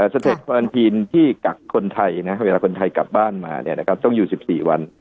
เทควันทีนที่กักคนไทยเวลาคนไทยกลับบ้านมาต้องอยู่๑๔วัน